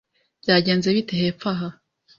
Byagenze bite hepfo aha?